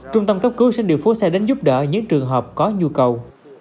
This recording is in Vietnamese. trung tâm cấp cứu sẽ điều phố xe đến giúp đỡ những trường hợp có nhu cầu